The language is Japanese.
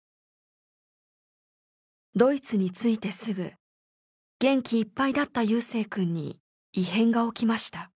ドイツに着いてすぐ元気いっぱいだった夕青くんに異変が起きました。